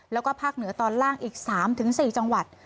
แล้วก็ภาคเหนือตอนล่างอีก๓๔จังหวัด